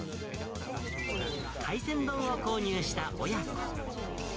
海鮮丼を購入した親子。